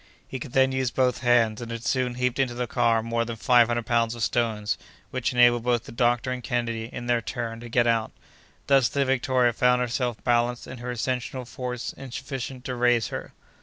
He could then use both hands, and had soon heaped into the car more than five hundred pounds of stones, which enabled both the doctor and Kennedy, in their turn, to get out. Thus the Victoria found herself balanced, and her ascensional force insufficient to raise her.